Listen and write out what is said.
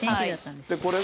これが。